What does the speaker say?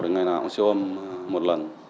ngày nào cũng siêu âm một lần